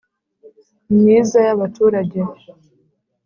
myiza y'abaturage.